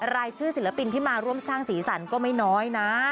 รายชื่อศิลปินที่มาร่วมสร้างสีสันก็ไม่น้อยนะ